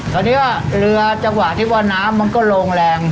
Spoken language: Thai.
ตอนนี้ว่าเรือจังหวะที่ว่าน้ำมันก็ลงแรง